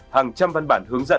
hàng trăm văn bản hướng dẫn